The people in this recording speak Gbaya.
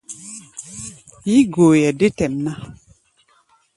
Yí-goeʼɛ dé tɛʼm ná.